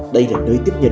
đây là nơi tiếp nhận